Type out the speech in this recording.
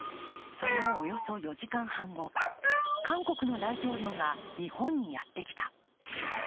そのおよそ４時間半後、韓国の大統領が日本にやってきた。